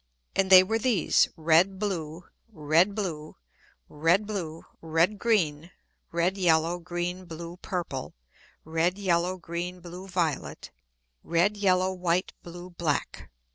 And they were these, red, blue; red, blue; red, blue; red, green; red, yellow, green, blue, purple; red, yellow, green, blue, violet; red, yellow, white, blue, black.